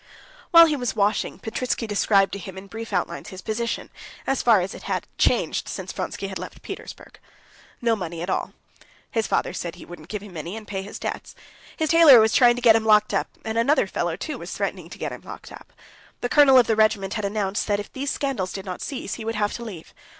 While he was washing, Petritsky described to him in brief outlines his position, as far as it had changed since Vronsky had left Petersburg. No money at all. His father said he wouldn't give him any and pay his debts. His tailor was trying to get him locked up, and another fellow, too, was threatening to get him locked up. The colonel of the regiment had announced that if these scandals did not cease he would have to leave.